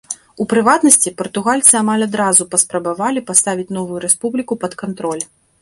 У прыватнасці, партугальцы амаль адразу паспрабавалі паставіць новую рэспубліку пад кантроль.